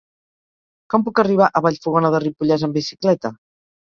Com puc arribar a Vallfogona de Ripollès amb bicicleta?